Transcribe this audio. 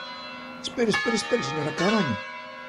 Espere, espere, espere, señora Caamaño.